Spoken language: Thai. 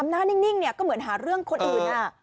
หน้านิ่งก็เหมือนหาเรื่องคนอื่น